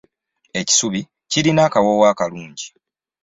Ekisubi kirina akawowo akalungi.